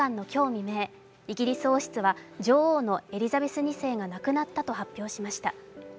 未明イギリス王室は女王のエリザベス２世が亡くなったと発表しました。